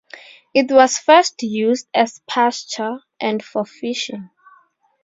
It was first used as pasture and for fishing.